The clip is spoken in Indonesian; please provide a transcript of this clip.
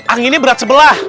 anginnya berat sebelah